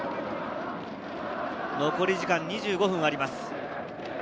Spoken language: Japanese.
残り時間２５分あります。